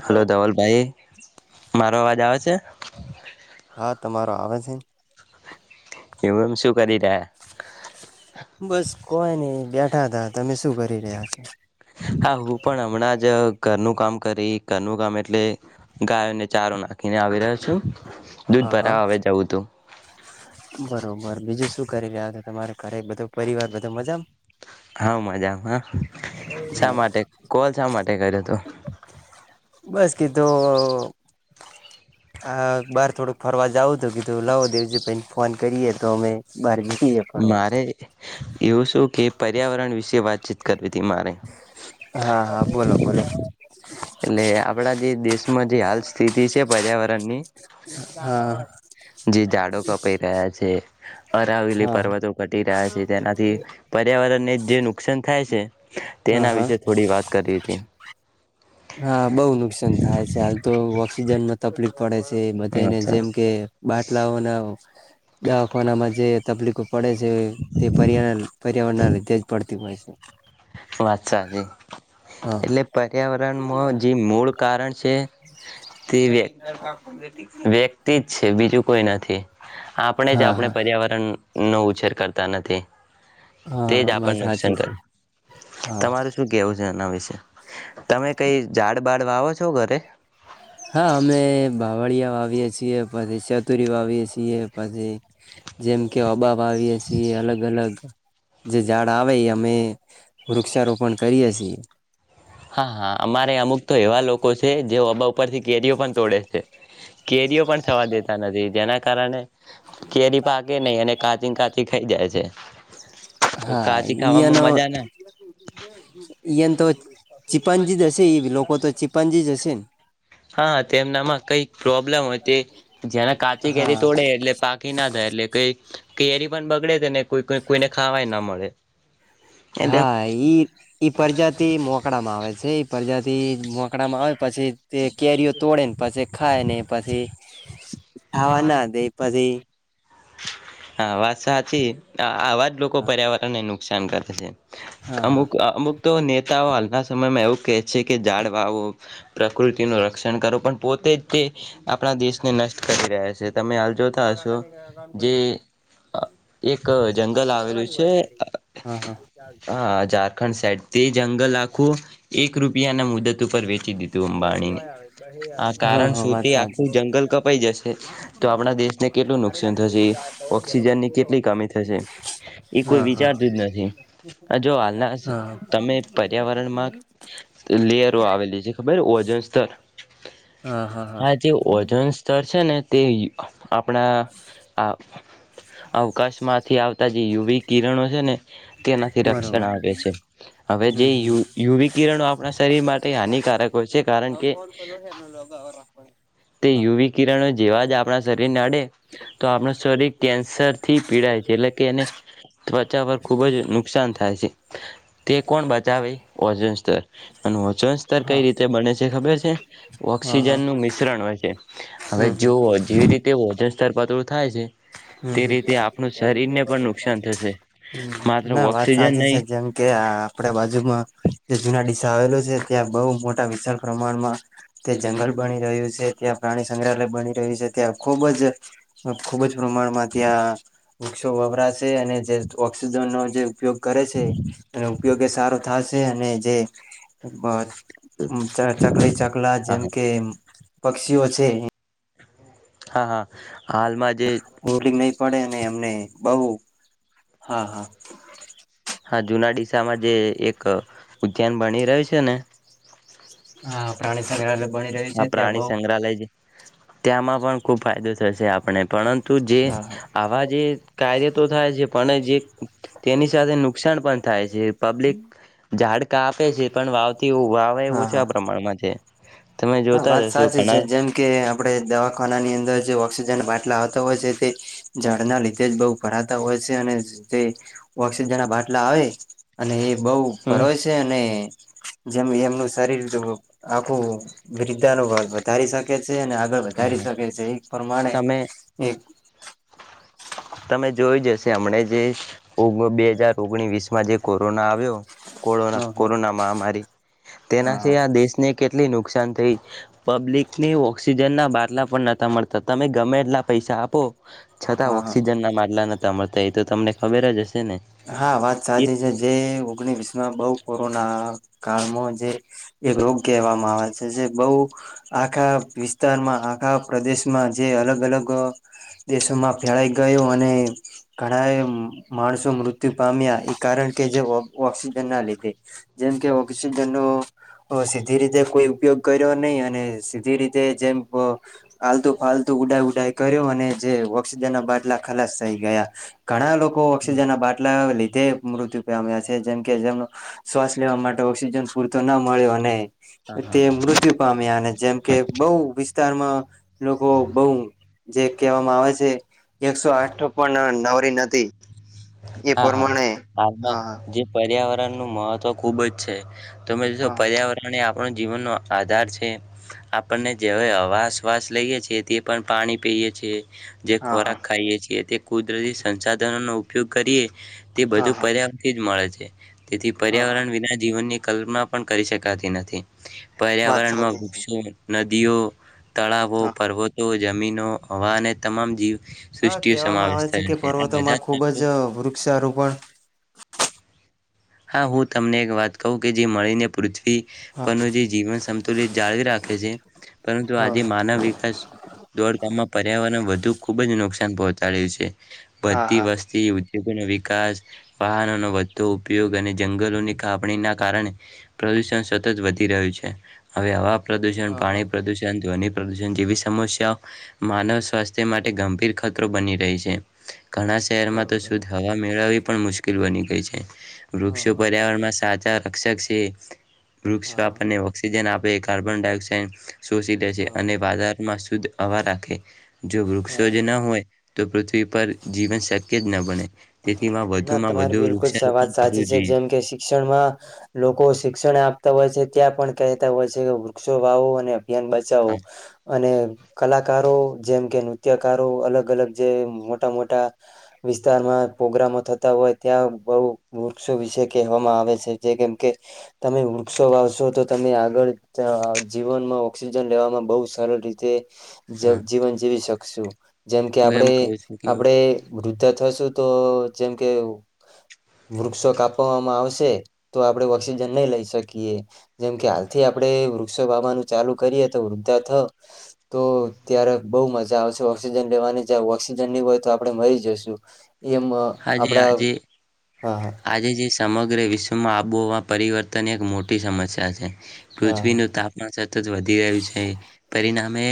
Hello hello ધવલભાઈ મારો અવાજ આવે છે. હા તમારો આવે છે ન એવું એમ શું કરી રહ્યા. બસ કોઈ નની. બેઠા તા તમે શું કરી રહ્યા છો. હા હું પણ હમણાં જ ઘરનું કામ કરી ઘરનું કામ એટલે ગાયોને ચારો નાખીને આવી રહ્યો છું. દૂધ હા હા. ભરા હવે જવું તું. બરોબર બીજું શું કરી રહ્યા તમારે ઘરે બધો પરિવાર બધો મજા. હા મજામાં હ શા માટે કોલ શા માટે કર્યો? તો બસ કીધું આ બાર થોડુંક ફરવા જાવું તો કીધું લાવો દેવજી ભાઈને ફોન કરીએ તો અમે બાર જઈએ ફરવા. મારે એવું શું કે પર્યાવરણ વિશે વાતચીત કરવી હતી મારે. હા, હા, બોલો બોલો. એટલે આપણા જે દેશમાં જે હાલ સ્થિતિ છે પર્યાવરણ ની હા જી ઝાડો કપાઈ રહ્યા છે અરાવેલી હા પર્વતો ઘટી રહ્યા છે તેનાથી પર્યાવરણને જે નું કસાન થાય છે હા તેના હા. વિશે થોડી વાત કરી હતી હા બઉુ નુકસાન થાય છે હાલ તો સીજનમાં તપલીક પડે છે. તે બધાને જેમ કે બાટલાઓના દવાખાનામાં જે તપલીક પડે છે તે પર્યા પર્યાવરણના લીધે જ પડતી હોય છે. વાત સાચી હા એટલે પર્યાવરણ માં જે મૂળ કારણ છે તે વ્યક્તિ જ છે બીજું કોઈ નથી આપણે જ હા આપણે હા પર્યાવરણ નો ઉછેર કરતા નથી. તે જ હા વાત આપણ સાચી નુકસાન છે. કર હા તમારું શું કેવું છે એનું ના વિશે તમે કઈ ઝાડ બાાડ વાવો છો? ઘરે હા અમે બાવળિયા વાવીએ છીએ. પસી ચતુરી વાાવીએ છીએ. પછી જેમ કે [unintelligible] વાવીએ છીએ અલગ અલગ જે ઝાડ આવે એ અમે વૃક્ષારોપણ કરીએ છીએ હા હા અમારે અમુક તો એવા લોકો છે જે [unintelligible] ઉપરથી કેરીઓ પણ તોડે છે. કેરીઓ પણ થવા દેતા નથી જેના કારણે કેરી પાકે નહી અને કાચી કાચી ખાઈ જાય છે. હા કાચી ખાવામાં ઈયાનો મજા ના ઈન તો ચીપંજી જ હશે લોકો તો ચી પંજીી જસન હા, તેમનામાં કઈક પ્રોબ્લેમ હોય તે જ્યાના કાચી કેેરી હા તોડે એટલે પાકી ના જાય એટલે કઈ કેરી પણ બગડે. તેને કોઈ કોઈને ખાવાય ના મળે. એટલે હા, ઈ ઈ પ્રજાતિ મોકડામાં આવે છે. પ્રજાતિ એ જ મોોકડામાં આવે પછી તે કેરીઓ તોડે ને પાસે ખાયને પછી ખાવાના દે પછી હા, વાત સાચી આવાજ લોકો પર્યાવરણ એનું શાન કરતી છે. હા હા અમુક, અમુક તો ને એવા હાલના સમયમાં એવું કહે છે કે, ઝાડવાઓ પ્રકૃતિનું રક્ષણ કરો પણ પોતે જ તે આપણા દેશને નષ્ટ કરી રહ્યા છે. તમે હાલ હા જોતા હશો. જે એક જંગલ આવેલું છે હા હા ચારખંડ સાઈડ તે જંગલ આખું એક રૂપિયાને મુદત ઉપર વેચી દીધું અંબાણીને આ હા કારણ હા શું વાત તે સાચી આખું છે જંગલ ક જશે તો આપણા કેટલું નુકસાન થશે એ ઓક્સિજનની કેટલી કમી થશે, એ કોઈ હા હા વિચારતું જ નથી, આ જો હાલના હા તમે પર્યાવરણમાં લેયરો આવેલી છે, ખબર વજન સ્તર. હા, જે ઓઝન સ્તર છે ને તે આપણા આ અવકાશમાંથી આવતા જે યુવી કિરણો જે છે ને તેનાથી રક્ષણ બરોબર આપે છે, હવે જે હમ હમ યુવી કિરણો આપણા શરીર માટે હાનિકારક હોય છે, કારણ કે તે હા યુવી કિરણો જેવા જ આપણા શરીરને અડે તો આપણું શરીર કેન્સરથી પીડાય છે, એટલે કે એને ત્વચા પર ખુબ જ નુકસાન થાય છે, તે કોણ બચાવે વજન સ્તર અને વજન સ્તર કઈ હા રીતે બને છે ખબર છે, હા હા ઓક્સિજનનું મિશ્રણ હોય છે, હવે, હમ જોઓ જેવી રીતે તો વજન સ્તર પાતળું થાય છે તે રીતે આપણું શરીરને પણ નુકસાન થશે માત્ર ના વાત ઓક્સિજન સાચી છે, નહીં જેમ કે આપણે બાજુમાં જુના આવેલું છે, ત્યાં બહુ મોટા વિશાળ પ્રમાણમાં તે જંગલ બની રહ્યું છે, ત્યાં પ્રાણી સંગ્રહાલય બની રહ્યું છે, ત્યાં ખુબ જ હા, ખૂબ જ ભ્રમણમાં ત્યાં વૃક્ષો વવરાશે અને જે ઓક્સિજનનો જે ઉપયોગ કરે છે તેનો ઉપયોગ એ સારો થાશે અને જે ચકલી, ચકલા, હા જેમ હા કે પક્ષીઓ છે હા, હા, હાલમાં જ હોરી નઈ પડે અને એમને બહુ, હા, હા હા, જુના ડીસામાં જે એક ઉદ્યાન બની રહ્યું છે ને હા પ્રાણીત આ પ્રાણી સંગ્રહાલય છે, ત્યાંમાં પણ ખુબ ફાયદો જ આપ પરંતુ જે હા હા આવા જે કાર્યો તો થાય છે, પણ જે તેની સાથે નુકસાન પણ થાય છે, પબ્લિક ઝાડકાપે છે પણ વાવથી વાવે એ હા હા ઓછા પ્રમાણમાં છે તમે હા જોતા જ વાત હશો સાચી છે, ઘણા જેમ કે આપડે દવાખાનાની અંદર ઓક્સિજન આવતા હોય છે તે ઝાડના લીધે જ બહુ ભરાતા હોય શે અને જે ઓક્સિજન ના બાટલા આવે અને એ બહુ હમ ફવે છે અને જેમ એમનું શરીર આખું વૃદ્ધા નુભ વધારી શકે છે અને આગળ વધારી શકે છે એક પ્રમાણે તમે હમ તમે જોઈ હશે હમણાં જે બે હજાર ઓગણી વસમાં જે કોરોના આવ્યો કો હ હ હા કોરોના મહામારી હા તેનાથી આ દેશને કેટલી. નુકસાન થઈ પબ્લિકને ઓક્સિજનના બાટલા પણ નતા મળતા તમે ગમે એટલા પૈસા આપો. છતાં હા વખત. હા સિજન ના માલા નથી. તમા એ તો તમને ખબર જ હશે. ને હા વાત કે સાચી છે જે ઓગણીવીસ માં બઉ. કોરોના કાળમાં જે એક રોગ કહેવામાં આવે છે જે બહ આખા વિસ્તારમાં આખા પ્રદેશમાં જે અલગ અલગ દેશોમાં ફેળઈ ગયો અને ઘણા માણસો મૃત. મૃત્યુ પામ્યા એ કારણ કે જે ઓક્સિજન ના લીધે જેમ કે ઓક્સિજનનોો સીધી રીતે કોઈ ઉપયોગ કર્યો નહી અને સીધી રીતે જેમ આલતુ ફાલતુ ઉડઈ ઉડઈ કર્યો અને જે ઓક્સિજન ના બાટલા ખલાસ થઈ ગયા ઘણા લોકો. ઓક્સસીજન અ બા. લીધે મૃત્યુ પામ્યા છે જેમ કે જેમ શ્વાસ લેવા માટે ઓક્સિજન પૂરતો ના મળ્યો અને. તે મૃત્યુ પામ્યા અને જેમ કે બૌુ વિસ્તારમાં. લોકો બહ જે કહેવામાં આવે છે એકસો આઠ પણ નવરી નથી. એ હા હા પ્રમાણે આમાં હા જે પર્યાવરણ. નું મહત્વ ખુબ જ છે. તમે જો હા પર્યાવરણ આપ. આપણ જીવનનો આધાર છે આપણને જેવાવે અવાસવાસ લઈએ છીએ તે પણ પાણી પીએ છીએ. જે હા હા ખોરાક ખાઈએ છીએ તે. કુદરતી સંસાધનો ઉપ ઉપયોગ કરએ. તે હા હા બધું પર્યાવથી જ મળે છે. તેથી હા હા પર્યાવરણ વિના જીવનની કલ્માં પણ કરી શકાતી નથી વાત પર્યાવરણમાં સાચી છે વૃક્ષો નદીઓ તળાવો હા પર્વતો જમીનો હવા અને તમામ જીવ હા સૃષ્ટિ સમાવેશ થયો છે આ બધા આજ વૃક્ષારોપણ હા હું તમને એક વાત કહું કે જે મળીને હા પૂરછ જીવન સમુલિત જાળવી રાખે છે પરંતુ હા આજે માનવ વિકાસ દોડમાં પર્યાવરણ વધુ ખુબ જ નુકસાન પહોંચે તા્યું છે હા હા બધતી હા વસ્તી ઉગ નો વિકાસ વાહનો નો વધુ ઉપયોગ અને જંગલોની કાપણીના કારણે પ્રદૂષણ સતત વધી રહ્યું છે હવે હવા પ્રદૂષણ હા હા પાણી પ્રદુષણ ધ્વનિ જેવી સમસ્યાઓ માનવ સ્વાસ્થ્ય માટે ગંભીર ખતરો બની રહી છે. ઘણા શહેરમાં તો બરોબર શુદધ હવા મેળવવી પણ મુશ્કેલ કરવાની કે છે. હા વૃક્ષો હા પર્યાવરણ માં સા ચ રકક્ષકક્ષ વૃક્ષો હા હા આપણને ઓક્સિજન આપ બે કાર્બન ડાય ઓક્સાઇડ શોષી લે છે હા અને બાજારમાં શુદ્ધ અવા રાખે જો વૃક્ષો હા જ ના હોય તો પૃથ્વી પર જીવન શક્ય જ ન બને. તેથીમાં ના વધુમાં તમારી વધુ બિલકુલ વાત વૃક્ષ સાચી છે જેમ કે શિક્ષણમાં લોકો શિક શિક્ષણ આપતા હોય છે ત્યાં પણ કહેતા હોય છે કે વૃક્ષો વાવો અને ધ્યાન બચાવો હા, અને કલાકારો જેમ કે નૃત્યકારો અલગ અલગ જે મોટા મોટા વિસ્તારમાં પ્રગ્રામો થતા હોય ત્યાં બહુ વૃક્ષો વિશે કહેવામાં આવે છે જે કેમ કે તમે વૃક્ષો વાવશો તો તમે આગળ જીવનમાં ઓક્સિજન લેવામાં બહુ સરળ રીતે હા. જીવન જીવી શક શું. જેમ કે હું એમ આપડે કહું છું કે આપડે વૃદ્ધા થશું. તો જેમકે વૃક્ષો કાપવામાં આવશે તો આપડે ઓક્સિજન નહી લઈ શકીએ જેમકે હાલથી આપણે વૃક્ષો વાવાનું ચાલુ કરીએ તો વૃદ્ધા થ તો ત્યારે બહ મજા આવશે ઓક્સિજન લેવાની જ ઓક્સિજન ની હોય તો આપણે મરી જશું. એમ આજે આપડા આજે હા આજે જે સમગ્ર વિશ્વમાં આબોહવા પરિવર્તન એક મોટી સમસ્યા છે. હા પૃથ્વીનું તાપમાન સતત વધી રહ્યું છે પરિણામ મે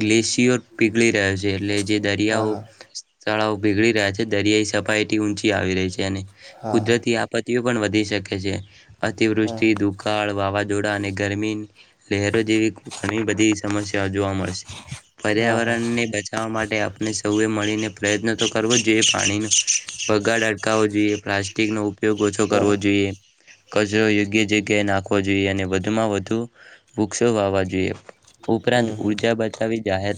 ગ્લેશિયર પીગળી રહ્યા છે એટલે જે દરિયાઓ હા તળાવો પીગળી રહ્યા છે દરિયાઈ સપાટી એ થી ઊંચી આવી રહી છે અને હા કુદરતી આપત એ પણ વધી શકે છે. હા અતિવૃષ્ટિ દુકાળ વાવા જોડા અને ગરમીની લહેરો જેવી ઘણી બધી સમસ્યા જોવા મળશે હા હા હા હા પર્યાવરણને બચાવવા માટે આપને સૌએ મળીને પ્રયત્ન તો કરવો જે પાણીનો બગાડ અડકાવો જોઈએ કેક નવું ઉપયોગ ઓછો કરવો હા જોઈએ કચરો યોગ્ય જગ્યાએ નાખવો જોઈએ અને વધુમાં વધુ વૃક્ષો વાવા જોઈએ ઉપરાંત હમ હમ ઊર્જા બચાવી જાહેર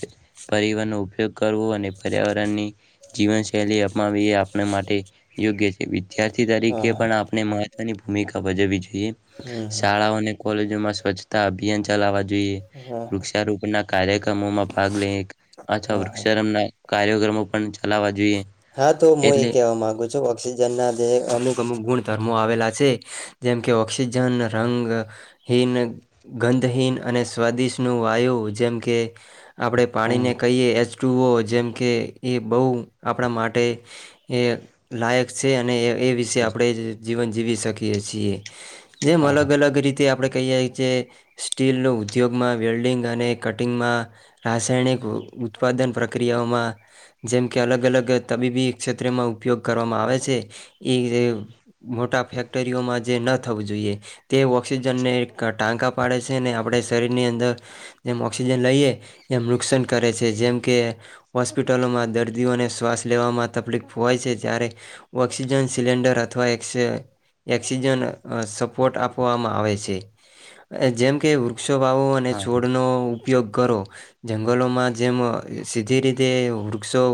પરિવહનનો ઉપયોગ કરવો અને પર્યાવરણની જીવનશૈલી અપમાવી એ આપણા માટે યોગ્ય વિદ્યાર્થી હા તરીકે હા પણ આપણે મહત્વની ભૂમિકા ભજવી જોઈએ હમ હમ શાળાઓને કોલેજોમાં સ્વચ્છતા અભિયાન ચલાવવા જોઈએ હા હા વૃક્ષારોપણ ના કાર્યક્રમોમાં ભાગ લઈ અથવા હા હા વૃક્ષારોપના કાર્યક્રમો પણ ચલાવા જોઈએ હા તો હું એ એટલે કેવા માંગુ છું ઓક્સિજનના જે અમુક અમુક ગુણધર્મો આવેલા છે જેમ કે ઓક્સિજન રંગહીન ગંધહીન અને સ્વાદિષનું વાયુ જેમ કે આપણે પાણી ને કહીએ એચ વતુઓ જેમ કે એ બહુ આપણા માટે એ લાયક છે અને એ એ વિશે આપણે જ જીવન જીવી શકીએ છીએ જેમ હા હા અલગ અલગ રીતે આપ આપણે કહીએ છીએ સ્ટીલનો ઉદ્યોગમાં વેલ્ડિંગ અને કટિંગમાં રાસાયણિક ઉત્પાદન પ્રક્રિયાઓમાં જેમ કે અલગ અલગ અલગ તબીબી ક્ષેત્રમાં ઉપયોગ કરવામાં આવે છે એ મોટા ફેક્ટરીઓમાં જે ન થવું જોઈએ તે ઓઑક્સિજનને ટાંકા પાડે છે અનેને આપણે શરીરની અંદર જેમ ઓક્સિજન લઈએ એમ નુકસાન કરે છે જેમ કે હોૉસ્પિટલોમાં દર્દીઓને શ્વાસ લેવામાં તકલીફ હોય છે જ્યારે ઓક્સિજન સિલિન્ડર અથવા ઓક્સિજન સપોર્ટ આપવામાં આવે છે જેમ કે વૃક્ષોભાવો અને હા છોડનો ઉપયોગ કરો જંગલોમાં જેમ સીધી રીતે વૃક્ષો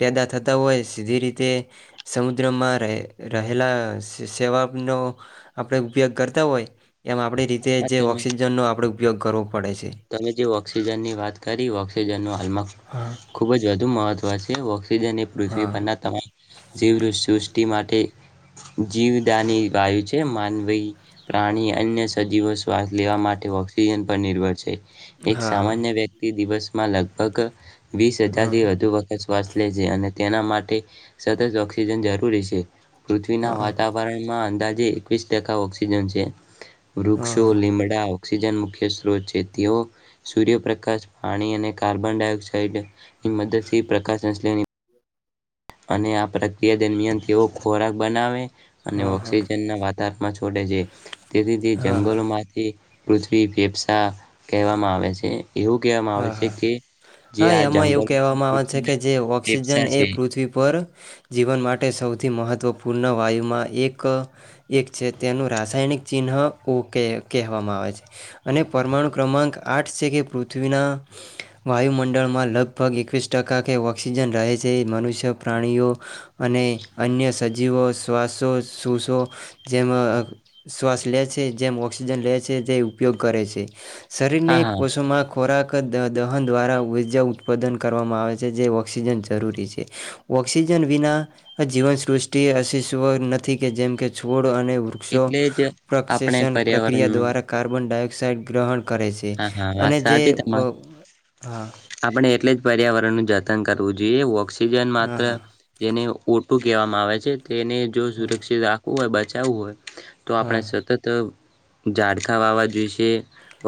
પેદા થતા હોય સીધી રીતે સમુદ્રમાં રહે રહેલા સેવાનો આપણે ઉપયોગ કરતા હોય એમ આપણી રીતે જે તમે ઓઑક્સિજનનું આપણેું ઉપયોગ કરો તમે જે ઓક્સિજન ની વાત કરી ઓઑક્સિજન ન હાલમાં હા ખુબ જ વધુ મહત્વ છે વ થ્ પર હા તમા જ [inaudible] માટે જીવદાની વાયુ છે માનવી પ્રાણી અન્ય સજીવો શ્વાસ લેવા માટે ઓઑક્સિજન પર નિર્ભર છે એક હા સામાન્ય વ્યક્તિ દિવસ મા લગભગ વીસ હજાર હા થી વધુ વખત વાસ લ છે. અને તેના માટે સતત ઓક્સિજન જરૂરી છે. પૃથ્વીના હા વાતાવરણ માં અંદાજ જે એકવીસ ટકા ઓક્સિજન છે. હા હા હા વૃક્ષો હા લીમડાઓ ઓક્સિજન મુખ્ય સત્રોત છે. તેઓ સૂર્યપ્રકાશ પાણી અને કાર્બન ડાયોક્સાઇડની મદદથી પ્રકાશ સંશ અને આ પ્રક્રિયા દરમિયાન તેઓ ખોરાક બનાવે અને હા હા ઓક્સિજન ના વાત ધારમાં છોડે છે. તેથી તે હા જંગલો માંથી પૃથ્વી ફેફસા કહેવામાં આવે છે. એવું કહેવામાં આવે હા છે હા કે જે હા આ એમાં જંગલો એવું કહેવામાં આવે છે કે પૃથ્વીના જે ઓક્સિજન ફેફસા એ છે. પૃથ્વી પર જીવન માટે સૌથી મહત્વપૂર્ણ વાયુમાં એક એક છે તેનું રાસાયણિક ચિહ્નકે કહેવામાં આવે છે. અને પરમાણુ ક્રમાંક આઠ છે. કે પૃથ પૃથ્વીના વાયુમંડળમાં લગભગ એકવીસ ટકા કે ઓક્સિજન રહે છે એ મનુષ્ય પ્રાણીઓ અને અન્ય સજીવો શ્વાસો શસો જેમ શ્વાસ લે છે જેમ ઓક્સિજન લે છે જે ઉપયોગ કરે છે. હા, શરીરની હા. કોસોમાં ખોરાક દ દહન દ્વારા ઉર્જા ઉત્પાદન કરવામાં આવે છે જે ઓઑક્સિજન જરૂરી છે ઓક્સિજન વિના જીવનસૃષ્ટિ અશિષવ નથી કે જેમ કે છોડ અને વૃક્ષો એટલે જ આપણે પ્રક્ષષણ પ્રક્રિયા પર્યાવરણનું દ્વારા કાર્બન ડાયોક્સ સા ગ્રહણ કરે છે હા, હા. વાત અને સાચી જે અ તમારે હા. આપણે એટલે જ પર્યાવરણ નું જત કરવું જોઈએ વ ઓક્સિજન માત્ર હા જેને શું કહેવામાં આવે છે. તેને જો હા સુરક્ષિત રાખવું હોયછી. એવું હોય. તો આપણે હા સતત ઝાડખા વાવા જોશે.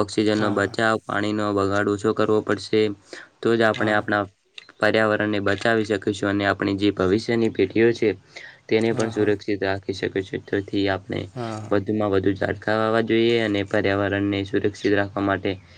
ઓક્સિજન નો હા હા બચાવ પાણીનો ઓછો કરવો પડશે. તોજ આપણે હા આપણા પર્યાવરણને બચાવી શકીશું અને આપણી જે ભવિષ્યની પેઢીઓ છે. તેને પણ હા હા હા સુરક્ષિત રાખ ક શક છેથી આપ હા વધુમાં વધુ જા. વા જોઈએ અને પર્યાવરણ ને સુરક્ષ શિકિત રાખવા માટે.